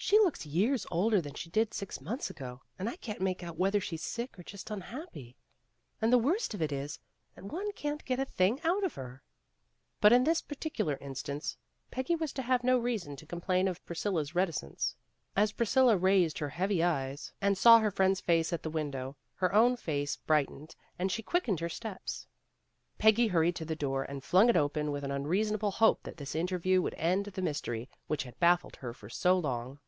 "She looks years older than she did six months ago, and I can't make out whether she's sick or just un happy. And the worst of it is that one can't get a thing out of her." But in this particular instance Peggy was to have no reason to complain of Priscilla's reti cence. As Priscilla raised her heavy eyes and 143 144 PEGGY RAYMOND'S WAY saw her friend's face at the window, her own face brightened and she quickened her steps. Peggy hurried to the door, and flung it open with an unreasonable hope that this interview would end the mystery which had baffled her for so long.